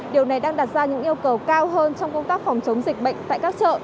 điều này đang đặt ra những yêu cầu cao hơn trong công tác phòng chống dịch bệnh tại các chợ